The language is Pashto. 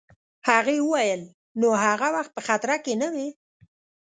هغې وویل: نو هغه وخت په خطره کي نه وې؟